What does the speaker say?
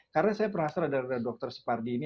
karena saya penasaran dari dokter supardi ini